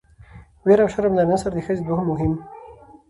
ويره او شرم له نارينه سره د ښځې دوه مهم